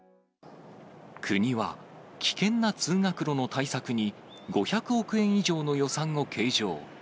国は、危険な通学路の対策に、５００億円以上の予算を計上。